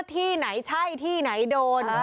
ที่ไหนใช่ที่ไหนโดน